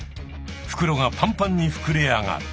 袋がパンパンにふくれ上がる。